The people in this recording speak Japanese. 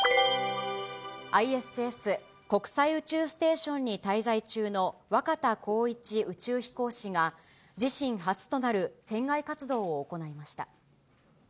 ＩＳＳ・国際宇宙ステーションに滞在中の若田光一宇宙飛行士が、自身初となる船外活動を行いました。